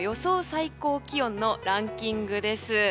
最高気温のランキングです。